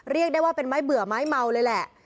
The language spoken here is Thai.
เรียกได้ว่าเป็นไม้เบื่อไม้เมาเลยแหละ